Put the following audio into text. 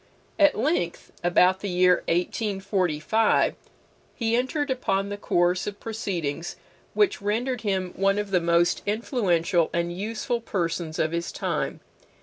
At length, about the year 1845, he entered upon the course of proceedings which rendered him one of the most influential and useful persons of his time.